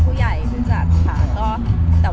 แม็กซ์ก็คือหนักที่สุดในชีวิตเลยจริง